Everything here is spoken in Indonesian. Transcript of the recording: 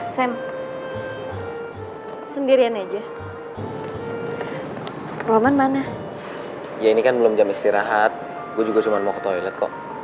sem sendirian aja roman mana ya ini kan belum jam istirahat gue juga cuma mau ke toilet kok